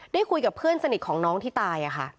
คุยกับเพื่อนสนิทของน้องที่ตายค่ะ